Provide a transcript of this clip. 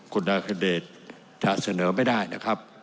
คุณนาขเศรษฐ์ถ้าเสนอไม่ได้นะครับ